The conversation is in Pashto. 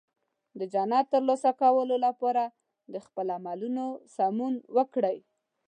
د جنت ترلاسه کولو لپاره د خپل عملونو سمون وکړئ.